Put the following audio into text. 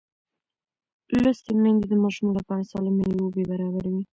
لوستې میندې د ماشوم لپاره سالمې لوبې برابروي.